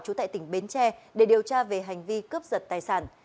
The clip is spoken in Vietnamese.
trú tại tỉnh bến tre để điều tra về hành vi cướp giật tài sản